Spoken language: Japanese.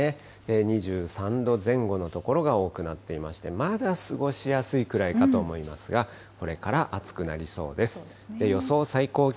２３度前後の所が多くなっていまして、まだ過ごしやすいくらいかと思いますが、これから暑くなりそうです。